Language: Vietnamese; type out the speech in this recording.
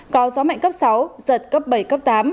có gió mạnh cấp sáu giật cấp bảy cấp tám